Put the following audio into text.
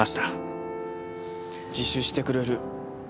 自首してくれる。